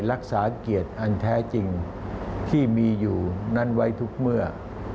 รักษาเกียรติอันแท้จริงที่มีอยู่นั้นไว้ทุกเมื่อ